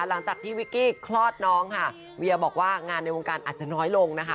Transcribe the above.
หลังจากที่วิกกี้คลอดน้องค่ะเวียบอกว่างานในวงการอาจจะน้อยลงนะคะ